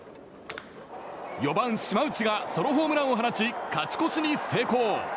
４番、島内がソロホームランを放ち勝ち越しに成功。